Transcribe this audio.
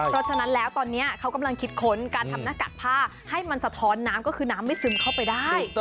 เพราะฉะนั้นแล้วตอนนี้เขากำลังคิดค้นการทำหน้ากากผ้าให้มันสะท้อนน้ำก็คือน้ำไม่ซึมเข้าไปได้